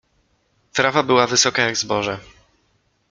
Trawa była wysoka jak zboże.